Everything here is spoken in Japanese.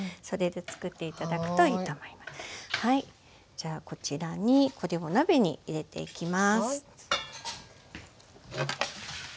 じゃあこちらにこれを鍋に入れていきます。